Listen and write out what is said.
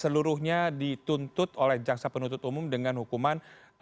seluruhnya dituntut oleh jaksa penuntut umum dengan hukuman yang tidak terdakwa